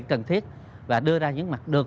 cần thiết và đưa ra những mặt được